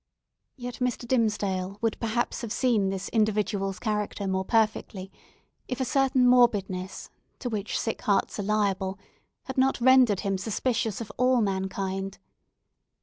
Yet Mr. Dimmesdale would perhaps have seen this individual's character more perfectly, if a certain morbidness, to which sick hearts are liable, had not rendered him suspicious of all mankind.